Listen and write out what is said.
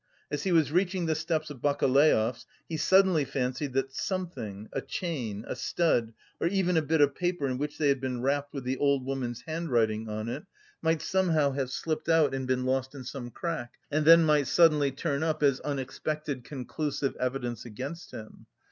As he was reaching the steps of Bakaleyev's, he suddenly fancied that something, a chain, a stud or even a bit of paper in which they had been wrapped with the old woman's handwriting on it, might somehow have slipped out and been lost in some crack, and then might suddenly turn up as unexpected, conclusive evidence against him.